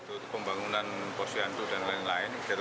untuk pembangunan posyandu